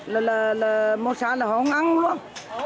là là là môi sản là họ không ăn luôn